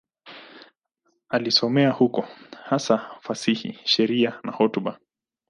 Alisomea huko, hasa fasihi, sheria na hotuba.